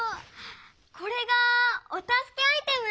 これがおたすけアイテム？